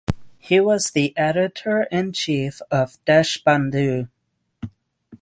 He was the Editor in Chief of "Deshbandhu".